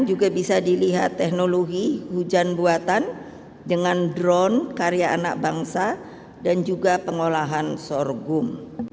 juga bisa dilihat teknologi hujan buatan dengan drone karya anak bangsa dan juga pengolahan sorghum